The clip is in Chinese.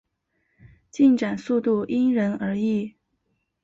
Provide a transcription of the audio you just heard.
进展速度因人而异。